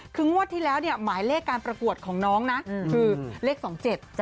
คืองวดที่แล้วเนี่ยหมายเลขการประกวดของน้องนะคือเลขสองเจ็ด